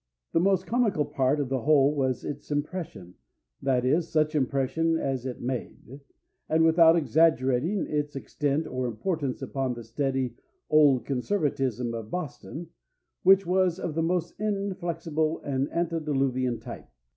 The most comical part of the whole was its impression that is, such impression as it made, and without exaggerating its extent or importance upon the steady old conservatism of Boston, which was of the most inflexible and antediluvian type.